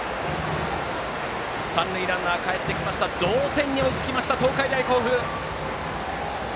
三塁ランナーがかえってきて同点に追いつきました東海大甲府！